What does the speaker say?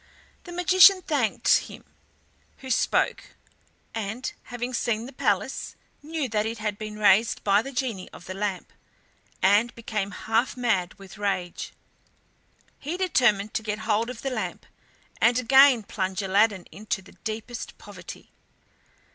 The magician thanked him who spoke, and having seen the palace knew that it had been raised by the Genie of the Lamp, and became half mad with rage. He determined to get hold of the lamp, and again plunge Aladdin into the deepest poverty.